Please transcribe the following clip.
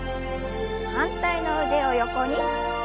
反対の腕を横に。